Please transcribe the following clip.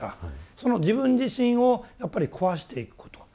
その自分自身をやっぱり壊していくこと。